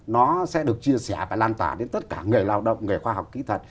nó sẽ được chia sẻ và lan tả đến tất cả người lao động người khoa học kỹ thuật